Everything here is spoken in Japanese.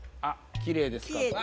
きれいですかあ！